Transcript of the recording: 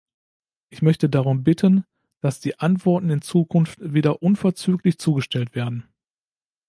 Ich möchte darum bitten, dass die Antworten in Zukunft wieder unverzüglich zugestellt werden.